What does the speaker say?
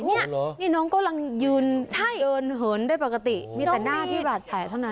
นี่น้องกำลังยืนเอิญเหินได้ปกติมีแต่หน้าที่บาดแผลเท่านั้น